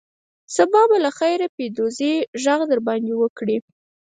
سبا به له خیره پیدوزي غږ در باندې وکړي.